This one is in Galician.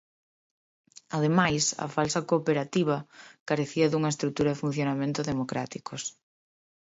Ademais, a falsa cooperativa carecía dunha estrutura e funcionamento democráticos.